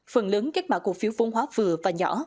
phần lớn các mã cổ phiếu vôn hóa vừa và nhỏ